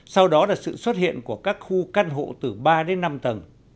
sau đó là sự xuất hiện của các khu căn hộ từ ba đến năm tầng